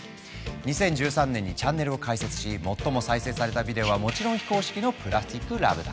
２０１３年にチャンネルを開設し最も再生されたビデオはもちろん非公式の「ＰＬＡＳＴＩＣＬＯＶＥ」だ。